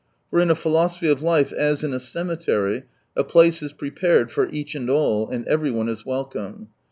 For in a philosophy of life, as in a cemetery, a place is prepared for each and all, and everyone is welcome.